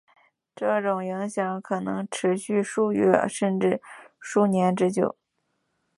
这种影响可能持续数月甚至数年之久。